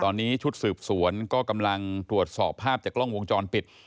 ตอนนี้ชุดสืบสวนก็กำลังตรวจสอบภาพจากกล้องวงจรปิด